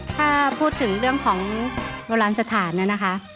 ถ้าพูดถึงเรื่องของโบราณสถานนะคะ